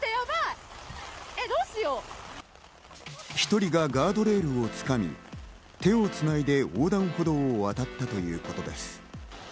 １人がガードレールを掴み、手をつないで横断歩道を渡ったということです。